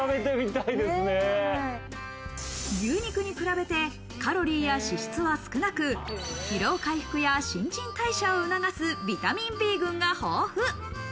牛肉に比べてカロリーや脂質は少なく、疲労回復や新陳代謝を促すビタミンＢ群が豊富。